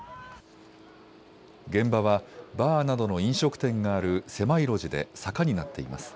現場はバーなどの飲食店がある狭い路地で坂になっています。